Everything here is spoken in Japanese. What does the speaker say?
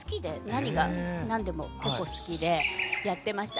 何が何でも結構好きでやってました。